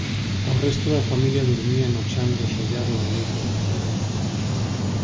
O resto da familia durmía no chan do sollado en leitos de feo.